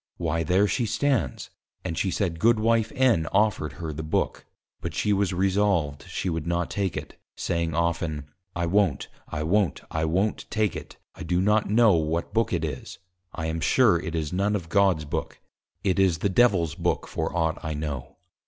Why there she stands!_ And she said, Goodw. N. offered her THE BOOK, but she was resolved she would not take it, saying often, _I wont, I wont, I wont take it, I do not know what Book it is: I am sure it is none of God's Book, it is the Devil's Book for ought I know.